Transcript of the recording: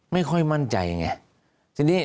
ไม่ค่อยมั่นใจไง